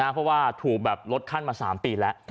เพราะว่าถูกแบบลดขั้นมา๓ปีแล้ว